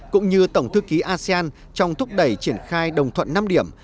cũng như tổng thư ký asean trong thúc đẩy triển khai đồng thuận năm điểm